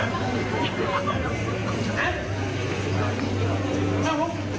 ในรถพยาบาล